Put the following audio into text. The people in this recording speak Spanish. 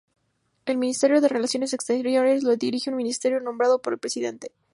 El Ministerio de Relaciones Exteriores lo dirige un Ministro, nombrado por el Presidente.